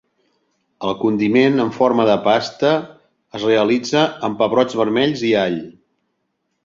El condiment en forma de pasta es realitza amb pebrots vermells i all.